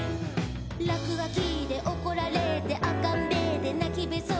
「らくがきでおこられてあっかんべーでなきべそで」